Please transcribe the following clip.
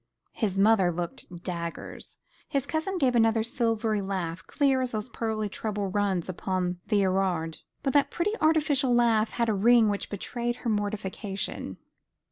His mother looked daggers. His cousin gave another silvery laugh, clear as those pearly treble runs upon the Erard; but that pretty artificial laugh had a ring which betrayed her mortification.